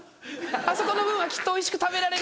あそこの分はきっとおいしく食べられる。